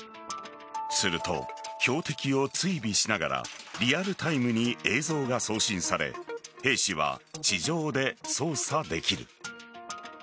すると、標的を追尾しながらリアルタイムに映像が送信され兵士は地上で操作できる。